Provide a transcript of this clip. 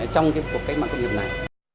trong cái cuộc cách mạng công nghiệp này